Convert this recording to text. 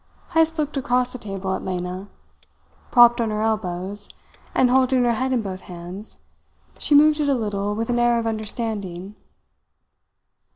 Heyst looked across the table at Lena. Propped on her elbows, and holding her head in both hands, she moved it a little with an air of understanding.